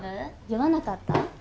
酔わなかった？